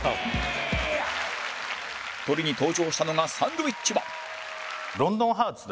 トリに登場したのがサンドウィッチマン